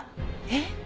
えっ！？